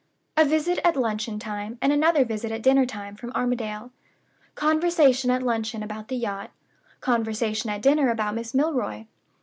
A visit at luncheon time and another visit at dinner time from Armadale. Conversation at luncheon about the yacht. Conversation at dinner about Miss Milroy.